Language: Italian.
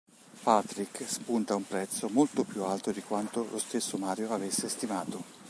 Patrick spunta un prezzo molto più alto di quanto lo stesso Mario avesse stimato.